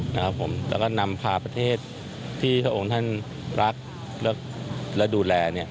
แล้วก็นำพาประเทศที่พระองค์ท่านรักและดูแล